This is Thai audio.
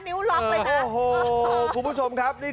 มองไม่เห็นทาง